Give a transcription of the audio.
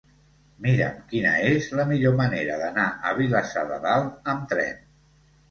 Mira'm quina és la millor manera d'anar a Vilassar de Dalt amb tren.